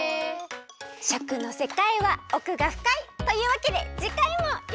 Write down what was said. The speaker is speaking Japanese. しょくのせかいはおくがふかい！というわけでじかいもよろしくった！